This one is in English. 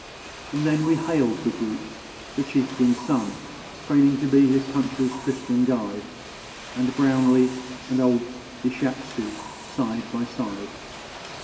And then we hailed the group: the chieftain's son, Training to be his country's Christian guide And Brownlee and old Ishátshu side by side.